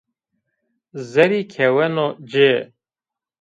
Zerrî keweno ci